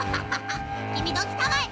「きみどきたまえ。